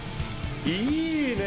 いいね。